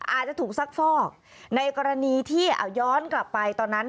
อาจจะถูกซักฟอกในกรณีที่เอาย้อนกลับไปตอนนั้น